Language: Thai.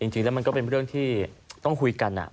จริงแล้วมันก็เป็นเรื่องที่ต้องคุยกัน